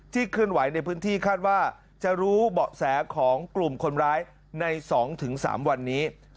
เคลื่อนไหวในพื้นที่คาดว่าจะรู้เบาะแสของกลุ่มคนร้ายใน๒๓วันนี้